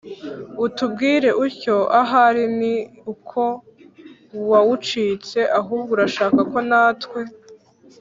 utubwira utyo, ahari ni uko wawucitse. Ahubwo urashaka ko natwe